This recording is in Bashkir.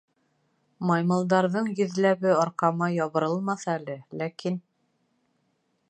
Маймылдарҙың йөҙләбе «арҡа»ма ябырылмаҫ әле, ләкин...